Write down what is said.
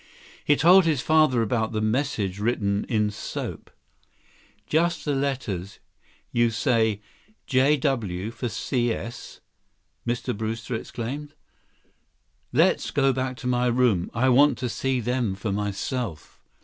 He told his father about the message written in soap. "Just the letters, you say—JW for CS?" Mr. Brewster exclaimed. "Let's go back to my room. I want to see them for myself."